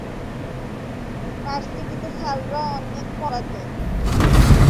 তবে তিনি নিজে তা লিপিবদ্ধ করেন নি।